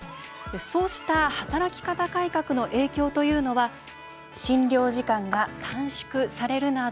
そうした働き方改革の影響というのは診療時間が短縮されるなど